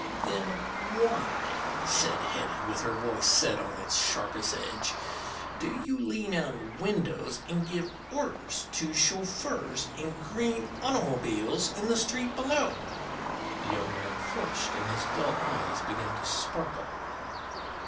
"Then why," said Hetty, with her voice set on its sharpest edge, "do you lean out of windows and give orders to chauffeurs in green automobiles in the street below?" The young man flushed, and his dull eyes began to sparkle.